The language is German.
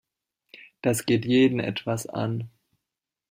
Das geht jeden etwas an.